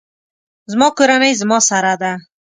زما کورنۍ زما سره ده